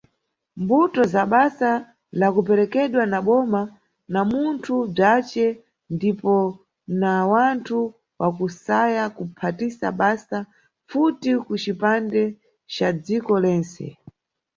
Mbuto za basa la kuperekedwa na boma, na munthu bzace ndipo na wanthu wakusaya kuphatisa basa mpfuti kucipande ca dziko lentse.